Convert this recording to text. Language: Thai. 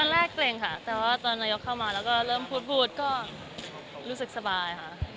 แรกเกร็งค่ะแต่ว่าตอนนายกเข้ามาแล้วก็เริ่มพูดก็รู้สึกสบายค่ะ